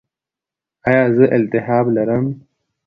ایا زه التهاب لرم؟